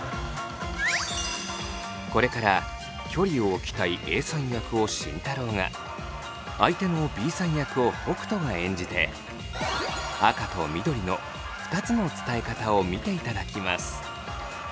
これから距離を置きたいＡさん役を慎太郎が相手のＢさん役を北斗が演じて赤と緑の２つの伝え方を見ていただきます。